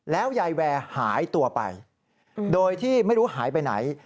แล้วยายแวร์หายตัวไปโดยที่ไม่รู้หายไปไหน